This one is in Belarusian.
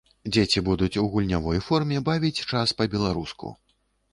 Дзеці будуць у гульнявой форме бавіць час па-беларуску.